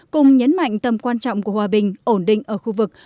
cùng nhấn mạnh tầm quan trọng của hòa bình ổn định ở khu vực